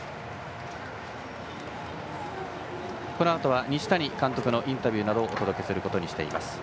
このあとは西谷監督のインタビューなどをお届けすることにしています。